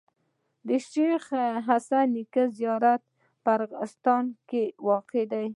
د شيخ حسن نیکه زیارت په ارغستان کي واقع دی.